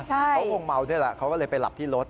เขาคงเมาด้วยแหละเขาก็เลยไปหลับที่รถ